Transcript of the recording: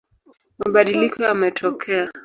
Mabadiliko yametokea